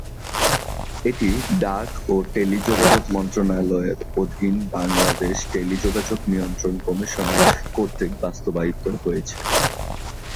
এটি ডাক ও টেলিযোগাযোগ মন্ত্রণালয়ের অধীন বাংলাদেশ টেলিযোগাযোগ নিয়ন্ত্রণ কমিশন কর্তৃক বাস্তবায়িত হয়েছে।